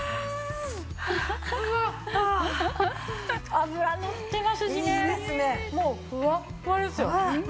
脂のってますしねもうふわっふわですよ。